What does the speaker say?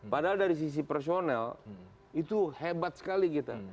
padahal dari sisi personel itu hebat sekali kita